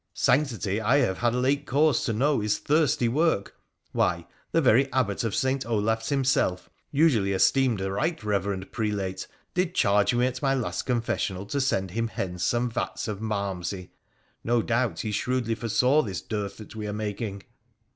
Sanctity, I have had late cause to know, is thirsty work. Why, the very Abbot of St. Olaf's himself, usually esteemed a right reverend prelate, did charge me at my last confessional to send him hence some vats of malmsey ! No doubt he shrewdly foresaw this dearth that we are making.'